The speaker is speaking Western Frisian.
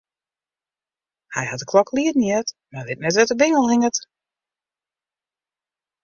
Hy hat de klok lieden heard, mar wit net wêr't de bingel hinget.